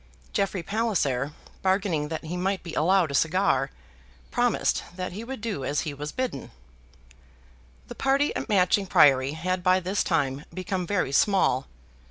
Jeffrey Palliser, bargaining that he might be allowed a cigar, promised that he would do as he was bidden. The party at Matching Priory had by this time become very small.